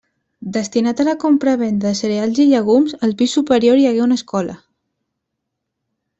Destinat a la compravenda de cereals i llegums, al pis superior hi hagué una escola.